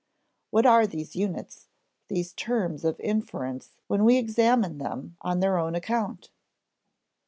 What are these units, these terms of inference when we examine them on their own account?